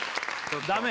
ダメ？